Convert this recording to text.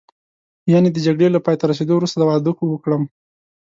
یعنې د جګړې له پایته رسېدو وروسته واده وکړم.